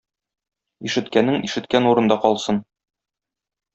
Ишеткәнең ишеткән урында калсын.